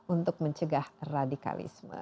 untuk mencegah radikalisme